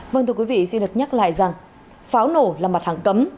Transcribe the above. vâng thưa quý vị xin được nhắc lại rằng pháo nổ là mặt hàng cấm